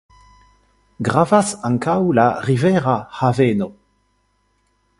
Gravas ankaŭ la rivera haveno.